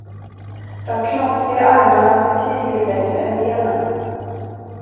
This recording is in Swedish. De knottriga armarna var betydligt längre än benen.